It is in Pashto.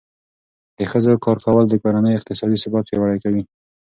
د ښځو کار کول د کورنۍ اقتصادي ثبات پیاوړی کوي.